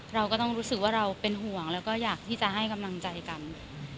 เราก็ต้องรู้สึกว่าเราเป็นห่วงแล้วก็อยากที่จะให้กำลังใจกัน